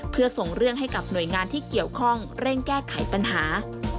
เพื่อส่งเรื่องให้กับหน่วยงานที่เกี่ยวข้องเร่งแก้ไขปัญหา